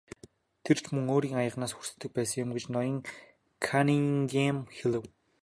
Тэр ч мөн өөрийн аяганаас хүртдэг байсан юм гэж ноён Каннингем хэлэв.